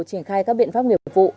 chuyển khai các biện pháp nghiệp vụ